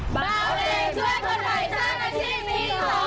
เบาแรงช่วยคนไทยสร้างอาชีพปี๒